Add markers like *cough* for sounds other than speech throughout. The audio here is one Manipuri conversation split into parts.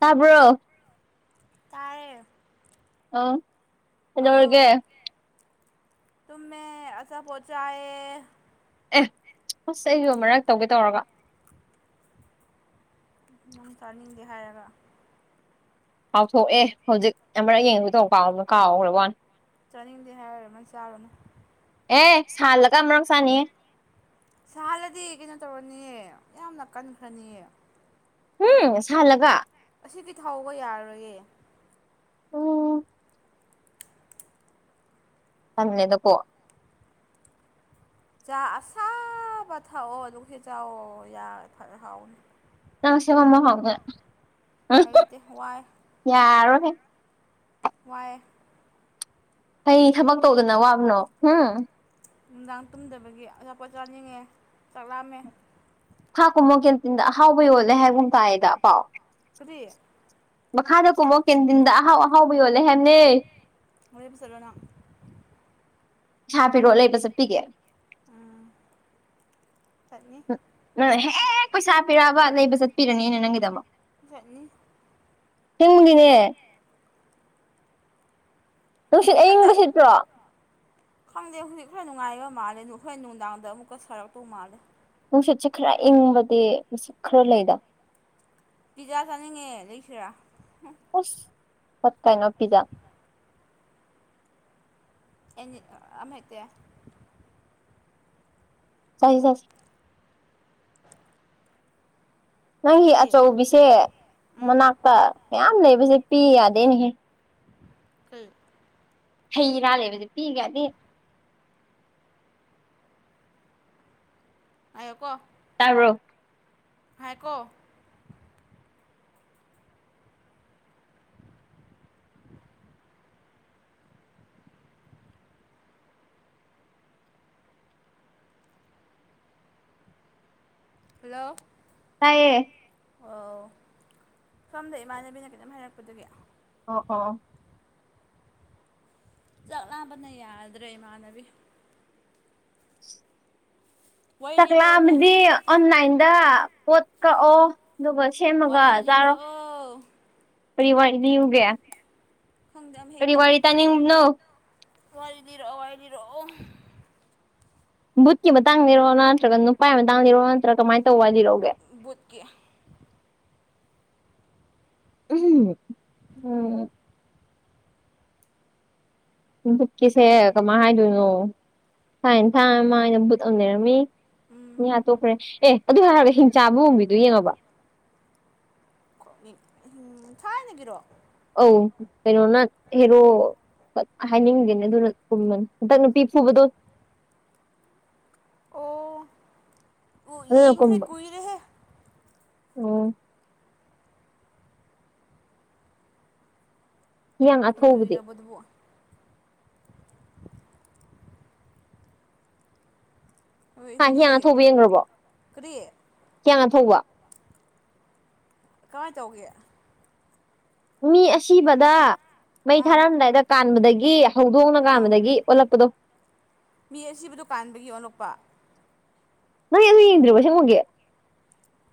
ꯇꯕ꯭ꯔꯣ ꯇꯥꯔ‌ꯦ ꯑ ꯆꯩꯅꯧꯔꯒ ꯇꯨꯝ ꯃ ꯑꯥ ꯄꯣꯆꯥꯑ ꯑꯦ ꯑꯁ ꯑꯩꯁꯨ ꯃꯔꯛ ꯇꯧꯒꯦ ꯇꯧꯔꯒ ꯃ ꯆꯅꯤꯗꯍꯒ ꯀꯥꯎꯊꯣꯛꯑꯦ ꯍꯧꯖꯤꯛ ꯑꯃꯔꯛ ꯌꯦꯡꯕꯗꯧ ꯀꯥꯎ ꯀꯥꯎꯈ꯭ꯔꯦꯕꯅꯤ ꯆꯥꯅꯤꯡꯗꯦ ꯍꯥꯏꯔꯔꯃꯅ ꯆꯥꯔꯨꯅꯨ ꯑꯦ ꯁꯥꯜꯂꯒ ꯑꯃꯝ ꯁꯥꯥꯅꯤꯌꯦ ꯁꯥꯍꯜꯂꯗꯤ ꯀꯩꯅꯣ ꯇꯧꯔꯅꯤꯌꯦ ꯌꯥꯝꯅ ꯀꯟꯈ꯭ꯔꯅꯤꯌꯦ ꯎꯝ ꯁꯥꯜꯂꯒ ꯑꯁꯤꯗꯤ ꯊꯧꯕ ꯌꯥꯔꯔꯣꯏꯌꯦꯦ ꯎꯝ ꯑꯦ ꯑꯗꯨ ꯄ ꯌꯥ ꯑꯁꯥꯕ ꯊꯥꯎꯑꯣ ꯑꯗꯨ ꯍꯦꯖꯑꯣ ꯌꯥ ꯊ ꯍꯥꯎꯅꯤ ꯅꯪ ꯁꯦꯝꯕ ꯍꯥꯎꯒ ꯂꯩꯇꯦ ꯋꯥꯏ ꯌꯥꯔꯣ ꯍ ꯋꯥꯏ ꯐꯩ ꯊꯕꯛ ꯇꯧꯗꯅ ꯋꯥꯕꯅꯣ ꯎꯝ ꯅꯨꯡꯗꯥꯡ ꯇꯨꯝꯗꯕꯒꯤ ꯑꯆꯥꯄꯣꯠ ꯆꯥꯅꯤꯡꯉꯦ ꯆꯥꯛꯂꯝꯛꯑꯝꯃꯦ ꯊꯥꯛ ꯀꯨꯝꯕ ꯀꯦꯟꯇꯤꯟꯗ ꯑꯍꯥꯎꯕ ꯌꯣꯜꯂꯦ ꯍꯥꯏꯒꯨꯝ ꯇꯥꯏꯗ ꯄꯥꯎ ꯐꯗꯤ ꯃꯈꯥꯗ ꯀꯨꯝꯃꯣ ꯀꯦꯟꯇꯤꯟꯗ ꯑꯍꯥꯎ ꯑꯍꯥꯎꯕ ꯌꯣꯜꯂꯦ ꯍꯥꯏꯦꯕꯅꯦ ꯎꯔꯤꯄꯤ ꯁꯂꯅ ꯍꯥꯄꯤꯤꯔꯣ ꯂꯩ ꯄꯁꯦ ꯄꯤꯒꯦ ꯎꯝ ꯆꯠꯅꯤ ꯎꯝꯪ ꯍꯦꯛ ꯄꯩꯁꯥ ꯄꯤꯔꯛꯑꯕ ꯂꯩꯕ ꯆꯠꯄꯤꯔꯅꯤꯅꯦ ꯅꯪꯒꯤꯗꯃꯛ ꯍꯥꯏꯅꯤ ꯇꯨꯡꯒꯤꯅꯦ ꯅꯨꯡꯁꯤꯠ ꯃꯊꯟꯇ ꯑꯏꯪꯕ ꯁꯤꯠꯇ꯭ꯔꯣ ꯈꯪꯗꯦ ꯍꯧꯖꯤꯛ ꯈꯔ ꯅꯨꯡꯉꯥꯏꯕ ꯃꯥꯜꯂꯦ ꯈꯈꯣꯏ ꯅꯨꯡꯗꯥꯡꯗ ꯑꯃꯨꯛꯀ ꯁꯔꯛꯇꯧ ꯃꯥꯜꯂꯦ ꯅꯨꯡꯁꯤꯠꯁꯦ ꯈꯔ ꯏꯪꯕꯗꯤ ꯃꯤꯅꯨꯡꯁꯠ ꯈꯔ ꯂꯩꯗ ꯄꯤꯖꯥ ꯆꯥꯅꯤꯡꯉꯦ ꯂꯩꯁꯤꯔꯥ ꯑꯣꯁ ꯐꯠ ꯀꯥꯏꯅ ꯄꯤꯖꯥ ꯑ ꯇ ꯆ ꯆꯁꯦ ꯅꯪꯒꯤ ꯀꯔꯤ ꯑꯆꯧꯕꯤꯁꯦ ꯎꯝ ꯃꯅꯥꯛꯇ ꯃꯌꯥꯝ ꯂꯩꯕꯁꯦ ꯄꯤ ꯌꯥꯗꯦꯅꯦꯍꯦ *inaudible* ꯍꯩꯔ ꯂꯩꯕꯗ ꯄꯤꯒꯔꯗꯤ ꯑꯡꯀꯣ ꯇꯥꯔꯣ ꯍꯥꯏꯀꯣ ꯍꯜꯂꯣ ꯇꯥꯏꯌꯦ ꯑꯣ ꯁꯣꯝꯗ ꯏꯃꯥꯟꯅꯕꯤꯅ ꯀꯈꯤꯇꯝ ꯍꯥꯏꯔꯛꯄꯗꯨꯒꯤ ꯑꯣ ꯑ ꯆꯥꯛꯂꯥꯝꯕꯅꯤ ꯌꯥꯗ꯭ꯔꯦ ꯏꯃꯥꯟꯅꯕꯤ ꯋꯥꯔꯤ ꯆꯥꯛꯂꯥ ꯂꯤꯔꯛꯑꯣꯅꯦ ꯑꯃꯥꯗꯤ ꯑꯣꯟꯂꯥꯏꯟꯗ ꯄꯣꯠ ꯀꯛꯑꯣ ꯑꯗꯨꯒꯥ ꯁꯦꯝꯃꯒ ꯋꯥꯔꯤ ꯆꯥꯔꯣ ꯂꯤꯔꯛꯑꯣ ꯀꯔꯤ ꯋꯥ ꯂꯤꯌꯨꯒꯦ ꯈꯪꯗꯦ ꯀꯔꯤ ꯋꯥꯂꯤ ꯇꯅꯤꯡꯕꯅ‌ꯣ ꯋꯥꯔꯤꯗꯤꯔꯛꯑꯣ ꯋꯥꯔꯤꯏꯗꯤꯔꯛꯑꯣ ꯕꯨꯠꯀꯤ ꯃꯇꯥꯡꯅꯤꯔꯣ ꯅꯠꯇ꯭ꯔꯒ ꯅꯨꯄꯥꯒꯤ ꯃꯇꯥꯡꯅꯤꯔꯣ ꯅꯠꯇ꯭ꯔꯒ ꯀꯃꯥꯏꯅ ꯇꯧꯕꯥ ꯂꯤꯔꯣ ꯚꯨꯠꯀꯤ ꯎꯝ ꯎꯝ ꯕꯨꯠꯀꯤꯁꯦ ꯀꯃꯥꯏꯅ ꯍꯥꯏꯗꯣꯏꯅꯣ ꯁꯥꯥꯏꯅ ꯊꯥ ꯃꯥꯩꯅ ꯕꯨꯠ ꯑꯃ ꯂꯩꯔꯝꯃꯤ ꯎꯝ ꯃꯤꯌꯥꯥ ꯇꯣꯛꯈ꯭ꯔꯦ ꯑꯦ ꯑꯗꯨ ꯍꯥꯏꯔꯕꯒ ꯍꯤꯡꯆꯥꯥꯕ ꯃꯨꯝꯕꯤꯗꯨ ꯌꯦꯡꯉꯣꯕ ꯎ ꯊꯥꯏꯅꯒꯤꯔꯣ ꯑ ꯀꯩꯅꯣꯅ ꯍꯦꯔꯣ ꯍꯥꯏꯅꯤꯡꯗꯦꯅꯦ ꯑꯗꯨꯅ ꯄꯨꯝꯕꯅꯤ ꯍꯟꯇ ꯅꯨꯄꯤ ꯐꯨꯕꯗꯣ ꯑꯣ ꯑꯣ ꯌꯦ ꯑꯗꯨꯅ ꯏꯁꯦ ꯀꯨꯏꯔꯦ ꯑꯣ ꯍꯤꯌꯥꯡ ꯑꯊꯧꯕꯗꯤ ꯎꯔꯕꯗꯕꯨ ꯍꯣꯏ ꯍꯥ ꯍꯤꯌꯥꯡꯅ ꯍꯧꯖꯤꯛ ꯊꯧꯕ ꯌꯦꯡꯈ꯭ꯔꯕꯣ ꯀꯔꯤ ꯍꯤꯌꯥꯡꯅ ꯊꯧꯕ ꯀꯃꯥꯏꯅ ꯇꯧꯒꯦ ꯃꯤ ꯑꯁꯤꯕꯗ ꯃꯩ ꯑꯥ ꯊꯥꯔꯝꯗꯥꯏꯗ ꯀꯥꯟꯕꯗꯒꯤ ꯍꯧꯗꯣꯡꯅ ꯑꯥ ꯀꯥꯟꯕꯗꯒꯤ ꯑꯣꯜꯂꯛꯄꯗꯣ ꯃꯤ ꯑꯁꯤꯕꯨꯗꯨ ꯀꯥꯟꯕꯒꯤ ꯑꯣꯂꯛꯄ ꯅꯣꯏ ꯑꯗꯨ ꯌꯦꯡꯗ꯭ꯔꯤꯕ ꯁꯦꯝꯃꯨꯒꯦ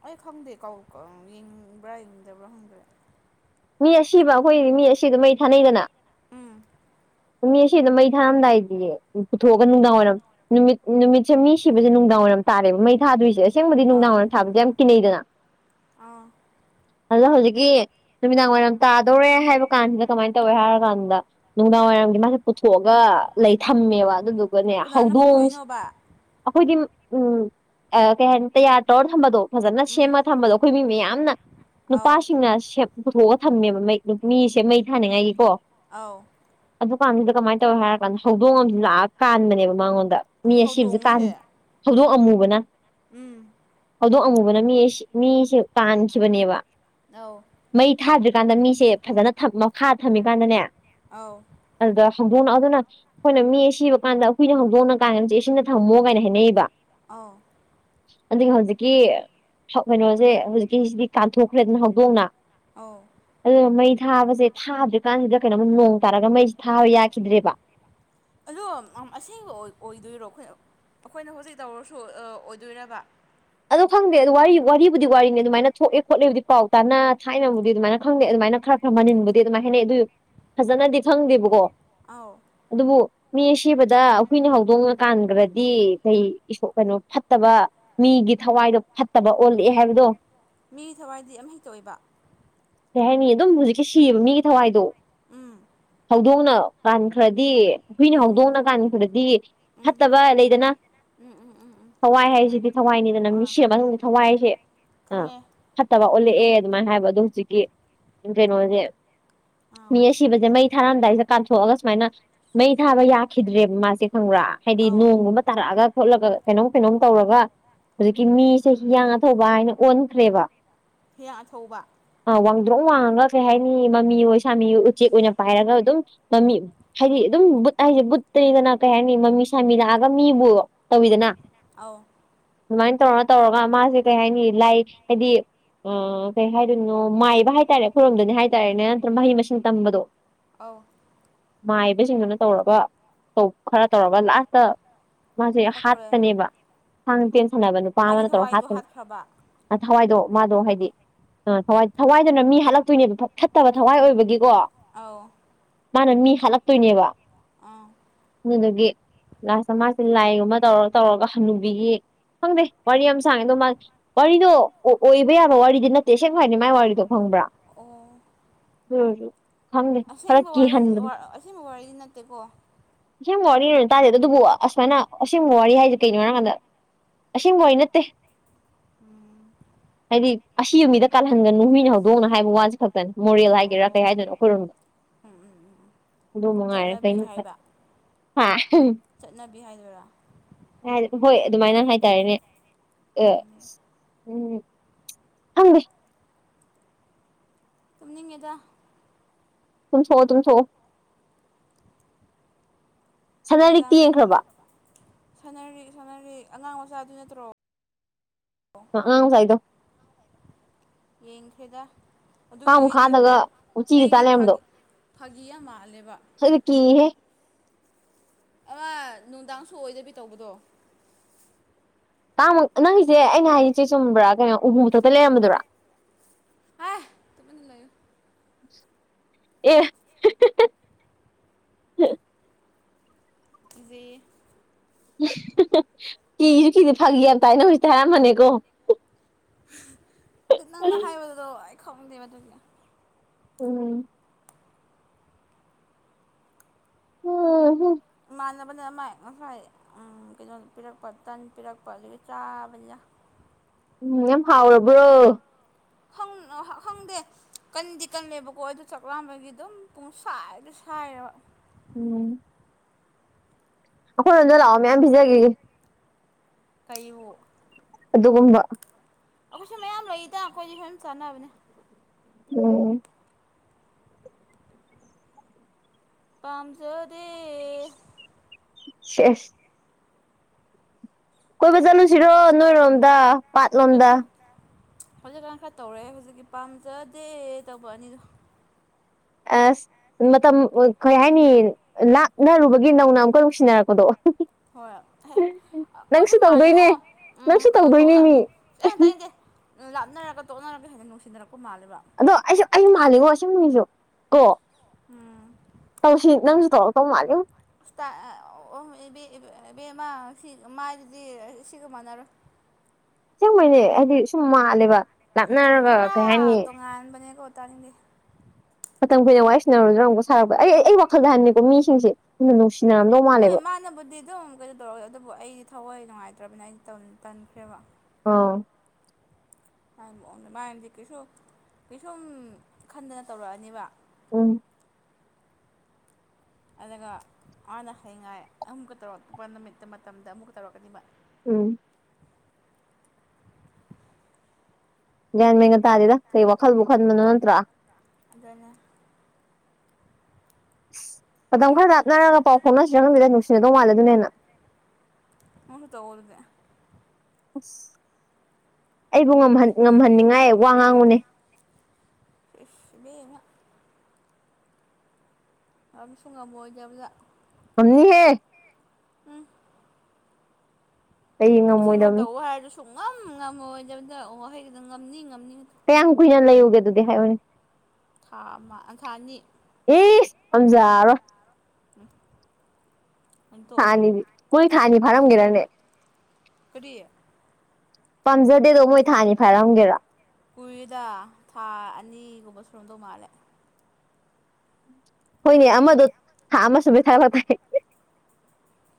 ꯑꯩ ꯈꯪꯗꯦ ꯀꯥꯎ ꯌꯦꯡꯕ꯭ꯔꯥ ꯌꯦꯡꯗꯕ꯭ꯔꯥ ꯍꯪꯗꯕ꯭ꯔꯥ ꯃꯤ ꯑꯁꯤꯕ ꯑꯩꯈꯣꯏꯗꯤ ꯃꯤ ꯑꯁꯤꯗꯣ ꯃꯩ ꯊꯥꯅꯩꯗꯅ ꯎꯝ ꯃꯤ ꯑꯁꯤ ꯑꯗꯨꯝ ꯃꯩ ꯊꯥꯔꯝꯗꯥꯏꯗꯤ ꯄꯨꯊꯣꯛꯑꯒ ꯅꯨꯡꯗꯥꯡ ꯋꯥꯏꯔꯝ ꯅꯨꯃꯤꯠ ꯅꯨꯃꯤꯠꯁꯦ ꯃꯤ ꯁꯤꯕꯁꯦ ꯅꯨꯡꯗꯥꯡ ꯃꯔꯝ ꯇꯥꯔꯦꯕ ꯃꯩ ꯊꯗꯣꯏꯁꯦ ꯑꯁꯦꯡꯕꯗꯤ ꯅꯨꯡꯗꯥꯡ ꯑꯥ ꯋꯥꯏꯔ ꯊꯥꯕꯁ ꯌꯥꯝ ꯀꯤꯟꯅꯩꯗꯅ ꯑꯥ ꯑꯗꯨꯗ ꯍꯧꯖꯤꯛꯀꯤ ꯅꯨꯃꯤꯗꯥꯡ ꯋꯥꯏꯔꯝ ꯇꯥꯗꯧꯔꯦ ꯍꯥꯏꯕ ꯀꯥꯟꯁꯤꯗ ꯀꯃꯥꯏꯅ ꯇꯧꯏꯦ ꯍꯥꯏꯔ ꯀꯥꯟꯗ ꯅꯨꯡꯗꯥꯡ ꯋꯥꯏꯔꯝꯒꯤ ꯃꯥꯁꯦ ꯄꯨꯊꯣꯛꯑꯒ ꯂꯩ ꯊꯝꯃꯦꯕ ꯑꯗꯨꯗꯨꯒꯅꯦ ꯀꯅꯥꯅ ꯍꯧꯗꯣꯡ ꯄꯨꯊꯣꯛꯏꯅꯣꯕ ꯑꯩꯈꯣꯏꯗꯤ ꯎꯝ ꯀꯩ ꯍꯥꯏꯅꯤ ꯇꯌꯥꯔ ꯇꯧꯔ ꯊꯝꯕꯗꯣ ꯐꯖꯅ ꯎꯝ ꯁꯦꯝꯃꯒ ꯊꯝꯕꯗꯣ ꯑꯩꯈꯣꯏ ꯃꯤ ꯃꯌꯥꯝꯅ ꯑꯧ ꯅꯨꯄꯥꯁꯤꯡꯅꯦ ꯄꯨꯊꯣꯛꯑ ꯊꯝꯃꯦꯕ ꯃꯩ ꯃꯤꯁꯦ ꯃꯩ ꯊꯥꯅꯤꯡꯉꯥꯏꯒꯤꯀꯣ ꯑꯥꯎ ꯗꯨꯀꯥꯟꯁꯤꯗ ꯀꯃꯥꯏꯅ ꯇꯧꯋꯦ ꯍꯥꯏꯔ ꯀꯥꯟꯗ ꯍꯧꯗꯣꯡ ꯑꯃꯁ ꯂꯥꯛꯑꯀ ꯀꯥꯟꯕꯅꯦꯕ ꯃꯉꯣꯟꯗ ꯃꯤ ꯑꯁꯤꯕꯕꯁꯤ ꯀꯥꯟ ꯍꯧꯗꯣꯡꯁꯦ ꯍꯧꯗꯣꯛꯑꯝꯃꯨꯕꯅ ꯎꯝ ꯍꯧꯗꯣꯛ ꯑꯃꯉꯨꯕꯅ ꯃꯤ ꯃꯤꯁꯦ ꯇꯥꯟꯈꯤꯕꯅꯦꯕ ꯑꯧ ꯃꯩ ꯊꯥꯗ꯭ꯔꯤꯀꯥꯟꯗ ꯃꯤꯁꯦ ꯐꯖꯅ ꯃꯈꯥ ꯊꯝꯃꯤꯀꯥꯟꯗꯅꯦ ꯑꯥꯎ ꯑꯗꯨꯗ ꯍꯧꯗꯣꯡꯅ ꯑꯗꯨꯅ ꯑꯩꯈꯣꯏꯅ ꯃꯤ ꯁꯤꯕ ꯀꯥꯟꯗ ꯑꯩꯨꯏꯅ ꯍꯧꯗꯣꯛꯅ ꯀꯥꯟꯗ ꯆꯦ ꯑꯁꯤꯗ ꯊꯝꯃꯣ ꯀꯥꯏꯅ ꯍꯥꯏꯅꯩꯕ ꯑ ꯑꯗꯒꯤ ꯍꯧꯖꯤꯛꯀꯤ ꯀꯩꯅꯣꯁꯦ ꯍꯧꯖꯤꯛꯀꯤ ꯁꯤꯗꯤ ꯀꯥꯟꯊꯣꯛꯈ꯭ꯔꯦ ꯑꯗꯨꯅ ꯍꯧꯗꯣꯡꯅ ꯑꯧ ꯑꯗꯣ ꯃꯩꯗ ꯊꯥꯕꯁꯦ ꯊꯥꯗ꯭ꯔꯤꯀꯥꯟꯁꯤꯗ ꯀꯩꯅꯣꯝ ꯅꯣꯡ ꯇꯥꯔꯒ ꯃꯩꯁꯦ ꯊꯥꯕ ꯌꯥꯈꯤꯗ꯭ꯔꯦꯕ ꯑꯗꯣ ꯑꯁꯦꯡꯕ ꯑꯣꯏꯗꯣꯏꯔꯣ ꯑꯩꯈꯣꯏ ꯑꯩꯈꯣꯏꯅ ꯍꯧꯖꯤꯛ ꯇꯧꯔꯁꯨ ꯑꯣꯏꯗꯣꯏꯔꯕ ꯑꯗꯣ ꯈꯪꯗꯦ ꯑꯗꯨ ꯋꯥꯔꯤꯔꯤꯕꯨꯕꯨꯗꯤ ꯋꯥꯔꯤꯅꯤ ꯑꯗꯨꯃꯥꯏꯅ ꯊꯣꯛꯑꯦ ꯈꯣꯠꯂꯦꯕꯨꯗꯤ ꯄꯥꯎ ꯇꯥꯅ ꯊꯥꯏꯅꯕꯕꯨꯗꯤ ꯑꯗꯨꯃꯥꯏꯅ ꯈꯪꯗꯦ ꯑꯗꯨꯃꯥꯏꯅ ꯃꯥꯏꯅ ꯈꯔ ꯈꯔ ꯃꯅꯤꯡꯟꯕꯗꯤ ꯑꯗꯨꯃꯥꯏ ꯍꯥꯏꯅꯩ ꯑꯗꯨ ꯐꯖꯅꯗꯤ ꯈꯪꯗꯦꯕꯀꯣ ꯑꯧ ꯑꯗꯨꯕꯨ ꯃꯤ ꯁꯤꯕꯗ ꯍꯨꯏꯅ ꯍꯧꯗꯣꯡꯅ ꯀꯥꯟꯈ꯭ꯔꯗꯤ ꯀꯩ ꯀꯩꯅꯣ ꯐꯠꯇꯕ ꯃꯤꯒꯤ ꯊꯋꯥꯏꯗꯣ ꯐꯠꯇꯕ ꯑꯣꯜꯂꯛꯑꯦ ꯍꯥꯏꯕꯗꯣ ꯃꯤꯒꯤ ꯊꯋꯥꯏꯗꯤ ꯑꯃꯍꯦꯛꯇ ꯑꯣꯏꯕ ꯀꯩ ꯍꯥꯏꯅꯤ ꯑꯗꯨꯝ ꯍꯧꯖꯤꯛꯀꯤ ꯁꯤꯌꯦꯕ ꯃꯤꯒꯤ ꯊꯋꯥꯏꯗꯣ ꯎꯝ ꯍꯧꯗꯣꯡꯅ ꯀꯥꯟꯈ꯭ꯔꯗꯤ ꯍꯨꯏꯅ ꯑꯣ ꯍꯧꯗꯣꯡꯅ ꯀꯥꯟꯈ꯭ꯔꯗꯤ ꯎꯝ ꯐꯠꯇꯕ ꯂꯩꯗꯅ ꯎꯝ ꯎꯝ ꯎꯝ ꯎꯝ ꯊꯋꯥꯏ ꯍꯥꯏꯁꯤꯗꯤ ꯊꯋꯥꯏꯅꯤꯗꯅ ꯑꯥ ꯃꯤꯁꯤ ꯑꯃꯛ ꯊꯋꯥꯏ ꯍꯥꯏꯁꯦ ꯑ ꯈꯪꯉꯦ ꯐꯠꯇꯕ ꯑꯣꯜꯂꯛꯑꯦ ꯑꯗꯨꯃꯥꯏꯅ ꯍꯥꯏꯕ ꯑꯗꯣ ꯍꯧꯖꯤꯛꯀꯤ ꯀꯩꯅꯣꯁꯦ ꯑꯥꯎ ꯃꯤ ꯑꯁꯤꯕꯁꯦ ꯃꯩ ꯊꯥꯔꯝꯗꯥꯏꯁꯦ ꯀꯥꯟꯊꯣꯛꯑꯒ ꯁꯨꯃꯥꯏꯅ ꯃꯩ ꯊꯥꯕ ꯌꯥꯈꯤꯗ꯭ꯔꯦꯕ ꯃꯥꯁꯦ ꯈꯪꯕ꯭ꯔꯥ ꯍꯥꯏꯗꯤ ꯑꯥꯎ ꯅꯣꯡꯒꯨꯝꯕ ꯇꯥꯔꯛꯑꯒ ꯈꯣꯠꯂꯒ ꯀꯩꯅꯣꯝ ꯀꯩꯅꯣꯝ ꯇꯧꯔꯒ ꯍꯧꯖꯤꯛꯀꯤ ꯃꯤꯁꯦ ꯍꯤꯌꯥꯡ ꯑꯊꯧꯕ ꯍꯥꯏꯅ ꯑꯣꯟꯈ꯭ꯔꯦꯕ ꯍꯦꯛ ꯑꯆꯧꯕ ꯑꯥ ꯋꯥꯡꯗ꯭ꯔꯣꯡ ꯋꯥꯡꯉꯒ ꯀꯩ ꯍꯥꯏꯅꯤ ꯃꯃꯤ ꯑꯣꯏꯣ ꯁꯥꯃꯤꯣ ꯎꯆꯦꯛ ꯑꯣꯏꯅ ꯄꯥꯏꯔꯒ ꯑꯗꯨꯝ ꯃꯃꯤ ꯍꯥꯏꯗꯤ ꯑꯗꯨꯝ ꯎꯝ ꯕꯨꯠ ꯍꯥꯏꯁꯦ ꯕꯨꯠꯇꯅꯤꯗꯅ ꯀꯩ ꯍꯥꯏꯅꯤ ꯃꯃꯤ ꯁꯥꯃꯤ ꯂꯥꯛꯑꯒ ꯃꯤꯕꯨ ꯇꯧꯋꯤꯗꯅ ꯑꯧ ꯑꯗꯨꯃꯥꯏꯅ ꯇꯧꯔ ꯇꯧꯔꯒ ꯃꯥꯁꯦ ꯀꯩ ꯍꯥꯏꯅꯤ ꯂꯥꯏ ꯍꯥꯏꯗꯤ ꯑ ꯀꯩ ꯍꯥꯏꯗꯣꯏꯅꯣ ꯃꯥꯏꯕ ꯍꯥꯏꯇꯥꯔꯦ ꯑꯩꯣꯏꯔꯣꯝꯗꯨꯅꯤ ꯍꯥꯏ ꯇꯔꯦꯅꯦ ꯅꯠꯇ꯭ꯔꯒ ꯃꯍꯩ ꯃꯁꯤꯡ ꯇꯝꯕꯗꯣ ꯑ ꯃꯥꯏꯕꯁꯤꯡꯗꯨꯅ ꯇꯧꯔꯒ ꯈꯔ ꯇꯧꯔꯒ ꯂꯥꯁꯇ ꯃꯥꯁꯦ ꯍꯥꯠꯈ꯭ꯔꯦ ꯍꯥꯄꯅꯦꯕ ꯍꯥꯡ ꯇꯦꯟ ꯁꯥꯟꯅꯕ ꯅꯨꯄꯥ ꯃꯥꯒꯤ ꯑꯃꯅ ꯇꯧꯔꯣ ꯊꯋꯥꯏꯗꯣ ꯍꯥꯠꯇꯅꯤ ꯍꯥꯠꯈ꯭ꯔꯕ ꯊꯋꯥꯏꯗꯣ ꯃꯥꯗꯣ ꯍꯥꯏꯗꯤ ꯊꯋꯥꯏ ꯊꯋꯥꯏꯗꯨꯅ ꯃꯤ ꯍꯥꯜꯂꯛꯇꯣꯏꯅꯦꯕ ꯐꯠꯇꯕ ꯊꯋꯥꯏ ꯑꯣꯏꯕꯒꯤꯀꯣ ꯑꯥꯎ ꯃꯥꯅ ꯃꯤ ꯍꯥꯠꯂꯛꯇꯣꯏꯅꯦꯕ ꯑꯗꯨꯗꯒꯤ ꯂꯥꯁꯇ ꯃꯥꯁꯦ ꯂꯥꯏꯒꯨꯝꯕ ꯇꯧꯔ ꯇꯧꯔꯒ ꯍꯅꯨꯕꯤꯒꯤ ꯈꯪꯗꯦ ꯋꯥꯔꯤ ꯌꯥꯝ ꯁꯥꯡꯉꯦ ꯑꯗꯣ ꯃꯥ ꯋꯥꯔꯤꯗꯣ ꯑꯣꯏꯕ ꯌꯥꯕ ꯋꯥꯔꯤꯗꯤ ꯅꯠꯇꯦ ꯁꯦꯡꯅ ꯍꯥꯏꯅꯤ ꯃꯥꯏ ꯋꯥꯔꯤꯗꯣ ꯈꯪꯕ꯭ꯔꯥ ꯑꯣ ꯍꯝꯝ ꯑꯁꯦꯡꯕ ꯋꯥꯔꯤꯗꯤ ꯑꯁꯦꯡꯕ ꯋꯥꯔꯤꯗꯤ ꯅꯠꯇꯦꯀꯣ ꯑꯁꯦꯡꯕ ꯋꯥꯔꯤ ꯂꯅ ꯇꯥꯗꯦꯗ ꯑꯗꯨꯕꯨ ꯑꯁꯨꯃꯥꯏꯅ ꯑꯁꯦꯡꯕ ꯋꯥꯔꯤ ꯍꯥꯏꯁꯦ ꯀꯩꯅꯣ ꯍꯥꯏꯔꯀꯥꯟꯗ ꯑꯁꯤꯁꯦꯡꯕꯣꯏ ꯅꯠꯇꯦ ꯎꯝ ꯍꯥꯏꯗꯤ ꯑꯁꯤ ꯌ ꯃꯤꯗ ꯀꯥꯜꯍꯟꯒꯅꯨ ꯃꯤꯅ ꯍꯧꯗꯣꯡꯅ ꯍꯥꯏꯕ ꯋꯥꯁ ꯈꯛꯇꯅꯤ ꯃꯣꯔꯦꯜ ꯑꯣ ꯍꯥꯏꯒꯦꯔꯥ ꯑꯣ ꯀꯩ ꯑꯣ ꯍꯥꯏꯗꯣꯏꯅꯣ ꯑꯩꯈꯣꯏꯔꯣꯝꯗ ꯎꯝ ꯎꯝ ꯎꯝ ꯎꯝ ꯑꯗꯨ ꯅꯨꯡꯉꯥꯏꯔꯦ ꯆꯠꯅꯕꯤ ꯀꯩꯅꯩꯅꯣ ꯍꯥꯏꯕ ꯍꯥ ꯆꯠꯅꯕꯤ ꯍꯥꯏꯗꯣꯏꯔꯥ ꯍꯣꯏ ꯑꯗꯨꯃꯥꯏꯅ ꯍꯥꯏꯇꯥꯔꯦꯅꯦ ꯎꯝ ꯎꯝ ꯑꯗ ꯇꯨꯝꯅꯤꯡꯉꯤꯗ ꯊꯝ ꯁꯣ ꯇꯝ ꯁꯣ ꯑꯦꯛꯖꯥꯝꯅꯔꯤ ꯁꯥꯟꯅꯔꯤ ꯑꯉꯥꯡ ꯃꯆꯥꯗꯨ ꯅꯠꯇ꯭ꯔꯣ ꯑꯥ ꯁꯥꯏꯗꯣ ꯌꯦꯡꯈꯦꯗ ꯀꯥꯡ ꯈꯥꯗꯒ ꯎ ꯎꯆꯤꯒ ꯇꯥꯜ ꯂꯩꯔꯝꯕꯗꯣ ꯐꯥꯒꯤ ꯐꯥꯒꯤ ꯌꯥꯝ ꯃꯥꯜꯂꯦꯕ ꯑꯩꯗꯤ ꯀꯤꯍꯦ ꯑ ꯅꯨꯡꯗꯥꯡꯁꯨ ꯑꯣꯏꯗꯕꯤ ꯇꯧꯕꯗꯣ ꯇꯥꯃ ꯅꯪꯒꯤꯁꯦ ꯑꯩꯅ ꯍꯥꯏꯆꯦ ꯆꯨꯝꯕ꯭ꯔꯥ ꯀꯩꯅꯣ ꯎꯕꯨ ꯈ ꯈꯛꯇ ꯂꯩꯔꯝꯕꯗꯨꯔꯥ ꯍꯥꯏ ꯇꯨꯃꯤꯟꯅ ꯂꯩꯌꯨ *inaudible* ꯑꯦ ꯀꯤꯖꯩꯌꯦ ꯀꯤꯁꯨ ꯀꯤꯗꯤꯦ ꯐꯥꯒꯤ ꯌꯥꯝ ꯇꯥꯏꯅ ꯍꯧꯖꯤꯛꯇ ꯍꯥꯏꯔꯃꯅꯤꯀꯣ ꯑꯗꯨ ꯅꯪꯅ ꯍꯥꯏꯕꯗꯨꯗꯣ ꯑꯩ ꯈꯪꯗꯦꯕ ꯑꯗꯨꯅꯦ ꯎꯝ ꯎꯝꯝ ꯏꯃꯥꯟꯅꯕꯅ ꯑꯃꯥꯏ ꯉꯁꯥꯏ ꯎ ꯀꯩꯅꯣ ꯄꯤꯔꯛꯄ ꯇꯟ ꯄꯤꯔꯛꯄ ꯑꯗꯒꯤ ꯆꯥꯕꯅ ꯎꯝ ꯌꯥꯝ ꯍꯥꯎꯔꯕ꯭ꯔꯣ ꯈꯪꯗꯦ ꯀꯟꯗꯤ ꯀꯜꯂꯦꯕꯀꯣ ꯑꯗꯨꯗ ꯆꯥꯛꯂꯥꯝꯕꯒꯤ ꯑꯗꯨꯝ ꯄꯨꯡ ꯁꯥꯏꯗ ꯁꯥꯏꯔꯦꯕ ꯎꯝ ꯑꯩꯈꯣꯏꯔꯣꯝꯗ ꯂꯥꯛꯑꯣ ꯃꯌꯥꯝ ꯄꯤꯖꯈꯤꯒꯦ ꯀꯩꯕꯨ ꯑꯗꯨꯒꯨꯝꯕ ꯑꯩꯈꯣꯏꯁꯨ ꯃꯌꯥꯝ ꯂꯔꯤꯗ ꯑꯩꯈꯣꯏꯗꯤ ꯁꯨꯝ ꯆꯥꯟꯅꯕꯅꯦ ꯑꯣꯝ ꯄꯥꯝꯖꯗ ꯑꯁ ꯀꯣꯏꯕ ꯆꯠꯂꯨꯁꯤꯔꯣ ꯅꯣꯏꯔꯣꯝꯗ ꯄꯥꯠꯂꯣꯝꯗ ꯆꯠꯁꯦ ꯍꯧꯖꯤꯛꯀꯥꯟ ꯈꯔ ꯇꯧꯔꯛꯑꯦ ꯍꯧꯖꯤꯛꯀꯤ ꯄꯥꯝꯖꯗꯦ ꯇꯧꯕ ꯑꯅꯤꯗꯣ ꯑꯁ ꯃꯇꯝ ꯀꯩ ꯍꯥꯏꯅꯤ ꯂꯥꯛꯅꯔꯨꯕꯒꯤ ꯅꯧꯅ ꯑꯃꯨꯛꯀ ꯅꯨꯡꯁꯤꯟꯅꯔꯛꯄꯗꯣ ꯑꯣ ꯍꯣꯏ ꯑꯣꯏꯕ ꯇꯧꯗꯣꯏꯅꯦ ꯃꯥꯜꯂꯦꯉꯣ ꯅꯪꯁꯨ ꯎꯝ ꯇꯧꯗꯣꯏꯅꯦ ꯇꯣꯛꯅ ꯃꯤ ꯑꯦꯟꯇꯩꯅꯗꯦ ꯂꯥꯞꯅꯔꯒ ꯇꯣꯛꯅꯔꯒ ꯍꯦꯟꯅ ꯅꯨꯡꯁꯤ ꯑꯗꯣ ꯑꯩꯁꯨ ꯑꯩꯁꯨ ꯃꯥꯜꯂꯤꯉꯣ ꯏꯅꯤꯁꯨ ꯀꯣ ꯎꯝ ꯇꯧ ꯁꯤ ꯏ ꯅꯝꯁꯨ ꯇꯧ ꯇꯧ ꯃꯥꯜ ꯃꯥꯗꯨꯗꯤ ꯁꯤꯒ ꯃꯥꯟꯅꯔꯣꯏ *inaudible* ꯁꯨꯝꯥꯏꯅꯦ ꯍꯥꯏꯗꯤ ꯁꯨꯝ ꯃꯥꯜꯂꯦꯕ ꯂꯥꯞꯅꯔꯒ ꯀꯩ ꯍꯥꯏꯅꯤ ꯇꯥꯡꯦ ꯃꯇꯝ ꯀꯨꯏꯅ ꯋꯥ ꯋꯥꯔꯤꯏ ꯁꯤꯟꯅꯔꯨꯗ꯭ꯔꯥ ꯑꯃꯨꯛ ꯁꯥꯔꯛꯄ ꯑꯩ ꯋꯥꯈꯜꯗ ꯍꯅꯤꯀꯣ ꯃꯤꯁꯤꯡꯁꯦ ꯌꯥꯝꯟꯅ ꯅꯨꯡꯁꯤ ꯍꯣꯏ ꯃꯥꯅꯕꯨꯗꯤ ꯑꯗꯨꯝ ꯀꯩꯅꯣ ꯇꯧꯔꯒꯦ ꯑꯗꯨꯕꯨ ꯑꯩꯗꯤ ꯊꯑꯣꯏ ꯅꯨꯡꯉꯥꯏꯇ꯭ꯔꯅꯤꯅ ꯑꯩꯗꯤ ꯇꯟꯈ꯭ꯔꯦꯕ ꯑ ꯃꯑꯣꯡꯗ ꯃꯌꯥꯝꯁꯦ ꯀꯩꯁꯨ ꯀꯩꯁꯨꯝ ꯈꯟꯗꯅ ꯇꯧꯔꯛꯑꯅꯤꯕ ꯎꯝ ꯑꯗꯨꯒ ꯍꯥꯟꯅ ꯍꯥꯏꯌꯦꯉꯥꯏ ꯑꯃꯨꯛꯀ ꯇꯧꯔꯛꯄ ꯅꯨꯃꯤꯠꯇ ꯃꯇꯝꯗ ꯑꯃꯨꯛꯀ ꯇꯧꯔꯛꯀꯅꯤꯕ ꯎꯝ ꯒ꯭ꯌꯥꯟ ꯃꯦꯟꯅ ꯇꯥꯔꯦꯗ ꯀꯩ ꯋꯥꯈꯜꯕꯨ ꯈꯟꯕꯅꯣ ꯅꯠꯇ꯭ꯔꯥ ꯑꯗꯨꯗꯅ ꯑꯁ ꯃꯇꯝ ꯈꯔ ꯂꯥꯞꯅꯔꯒ ꯄꯥꯎ ꯐꯥꯎꯅꯁꯤꯔꯒꯃꯤꯗ ꯅꯨꯡꯁꯤꯅꯗꯧ ꯃꯥꯜꯂꯦ ꯑꯗꯨꯅꯦ ꯍꯦꯟꯅ ꯎꯅ ꯇꯧꯕꯔꯗ ꯑꯁ ꯑꯩꯕꯨ ꯉꯍ ꯉꯝꯍꯟꯅꯤꯡꯉꯥꯏ ꯋꯥ ꯉꯥꯡꯉꯨꯅꯦ *inaudible* ꯃꯝ ꯁꯣꯡꯥ ꯑꯩ ꯌꯥꯕꯖ ꯁꯝꯅꯤ ꯍꯦ ꯎꯝ ꯑꯩ ꯑꯁꯦꯡꯕ ꯉꯝꯃꯣꯏꯗꯕꯅꯤ ꯇꯧ ꯍꯥꯏꯔꯁꯨ ꯁꯨꯡꯉꯝ ꯉꯝꯃꯣꯏꯗꯕꯗ ꯋꯥꯍꯩꯗ ꯉꯝꯅꯤ ꯉꯝꯅꯤ ꯀꯌꯥꯝ ꯀꯨꯏꯅ ꯂꯩꯌꯨꯒꯦ ꯑꯗꯨꯗꯤ ꯍꯥꯏꯌꯅꯦ ꯊꯥ ꯑꯃ ꯊꯥ ꯑꯅꯤ ꯑꯝꯖꯥꯔꯣ ꯎꯝ ꯊꯥꯅꯤꯗꯤ ꯃꯣꯏ ꯊꯥꯅꯤ ꯐꯥꯔꯝꯒꯦꯔꯅꯦ ꯀꯔꯤ ꯄꯥꯝꯖꯗꯦꯗꯣ ꯃꯣꯏ ꯊꯥꯅꯤ ꯐꯥꯏꯔꯝꯒꯦꯔꯥ ꯀꯨꯏꯗ ꯊꯥ ꯑꯅꯤꯒꯨꯝꯕ ꯁꯨꯔꯣꯝꯗꯧ ꯃꯥꯜꯂꯦ ꯍꯣꯏꯅꯦ ꯑꯃꯗ ꯊꯥ ꯑꯃꯁ ꯁ ꯃꯩ ꯊꯥꯕ ꯊꯥꯏ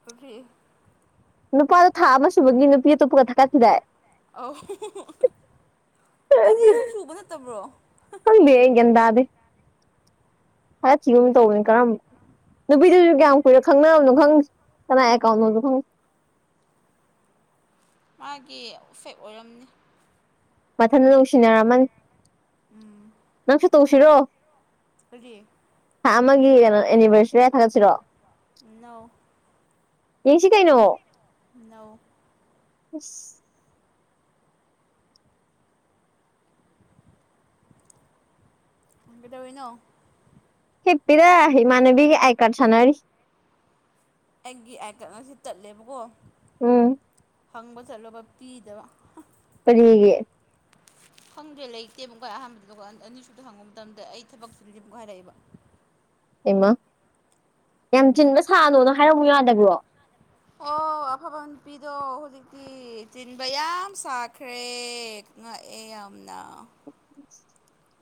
ꯐꯔꯤ ꯅꯨꯄꯥꯗꯣ ꯊꯥ ꯑꯃ ꯁꯨꯕꯒꯤ ꯅꯨꯄꯤ ꯑꯇꯣꯞꯄꯀ ꯊꯛꯀꯥ ꯊꯤꯔꯛꯑ ꯑꯁꯨ ꯁꯨꯕ ꯅꯠꯇꯕ꯭ꯔꯣ ꯈꯪꯗ ꯑꯩ ꯒꯌꯥꯟ ꯇꯥꯗꯦ ꯈꯔ ꯊꯤꯒꯨꯝ ꯇꯧꯕꯅꯤ ꯀꯔꯝꯕ ꯅꯨꯄꯤꯗꯨꯁꯨ ꯀꯌꯥꯝ ꯀꯨꯏꯔꯦ ꯈꯪꯅꯔꯕꯅꯣ ꯈꯪꯗꯦ ꯀꯅꯥ ꯑꯦꯀꯥꯎꯟꯣꯗ ꯈꯪꯗ *inaudible* ꯃꯥꯒꯤ ꯏꯐꯦꯛ ꯑꯣꯏꯔꯝꯅꯤ ꯃꯊꯟꯇ ꯅꯨꯡꯁꯤꯅꯔꯝꯃꯅꯤ ꯅꯪꯁꯨ ꯇꯧꯁꯤꯔꯣ ꯍꯧꯗꯤ ꯊꯥ ꯑꯃꯒꯤ ꯀꯩꯅꯣ ꯑꯦꯅꯤꯚꯔꯁꯔꯤ ꯍꯥꯏ ꯊꯥꯒꯠꯁꯤꯔꯣ *inaudible* ꯌꯦꯡꯁꯤ ꯀꯩꯅꯣ ꯅꯧ ꯑꯁ ꯀꯩꯗꯧꯔꯤꯅꯣ ꯍꯦꯞꯄꯤꯗ ꯃꯥꯟꯕꯤ ꯑꯏ ꯀꯥꯠ ꯁꯅꯔꯤ ꯑꯩꯒꯤ ꯑꯥꯏꯇꯠ ꯑꯁꯤ ꯇꯠꯂꯦꯕꯀꯣ ꯎꯝ ꯍꯪꯕ ꯆꯠꯂꯨꯕ ꯄꯤꯗꯕ ꯀꯔꯤꯒꯤ ꯈꯪꯗ꯭ꯔꯦ ꯂꯩꯇꯦ ꯑꯃꯨꯛꯀꯥꯏ ꯑꯍꯥꯟꯕꯗ ꯑꯅꯤꯁꯨꯗ ꯍꯪꯕ ꯃꯇꯝꯗ ꯑꯩ ꯊꯕꯛꯁꯨꯗꯤ ꯑꯃꯨꯛ ꯍꯥꯏꯔꯛꯑꯦꯕ ꯏꯃ ꯌꯥꯝ ꯆꯤꯟꯕ ꯁꯥꯅꯣꯅ ꯍꯥꯏꯔꯝꯨ ꯌꯥꯗꯕ꯭ꯔꯣ ꯑꯣ ꯑꯐꯕ ꯅꯨꯄꯤꯗꯣ ꯍꯧꯖꯤꯛꯇꯤ ꯆꯤꯟꯕ ꯌꯥꯝ ꯁꯥꯈ꯭ꯔꯦ ꯉꯛꯑꯦ ꯌꯥꯝꯅ *inaudible*